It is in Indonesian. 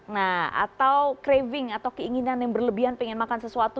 nah atau craving atau keinginan yang berlebihan pengen makan sesuatu